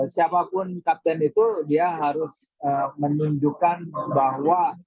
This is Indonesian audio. siapapun kapten itu dia harus menunjukkan bahwa